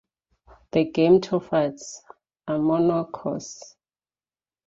The gametophytes are monoicous.